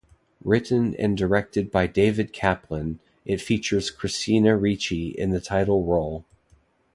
Written and directed by David Kaplan, it features Christina Ricci in the title role.